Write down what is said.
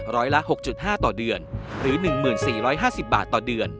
ละ๖๕ต่อเดือนหรือ๑๔๕๐บาทต่อเดือน